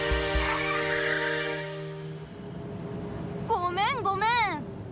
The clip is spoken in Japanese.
ごめんごめん！